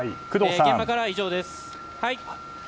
現場からは以上です。